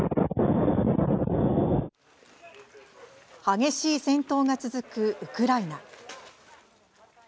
激しい戦闘が続くウクライナ。